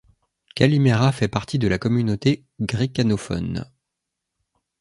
Calimera fait partie de la communauté gricanophone.